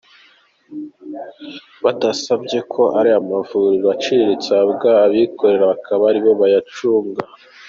Badusabye ko ariya mavuriro aciriritse ahabwa abikorera bakaba aribo bayacunga.